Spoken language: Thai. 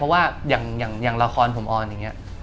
เพราะว่าอย่างละครผมออนอย่างนี้